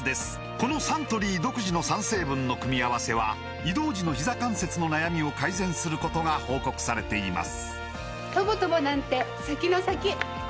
このサントリー独自の３成分の組み合わせは移動時のひざ関節の悩みを改善することが報告されています